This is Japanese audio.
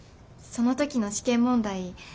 その時の試験問題